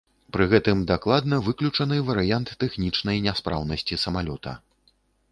Пры гэтым дакладна выключаны варыянт тэхнічнай няспраўнасці самалёта.